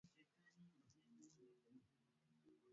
Huko unaweza pia kupata tofauti za vyakula vya haraka vya ndani